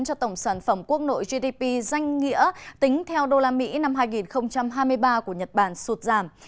cho tổng sản phẩm quốc nội gdp danh nghĩa tính theo usd năm hai nghìn hai mươi ba của nhật bản sụt giảm